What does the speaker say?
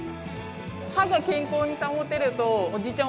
歯が健康に保てるとおじいちゃん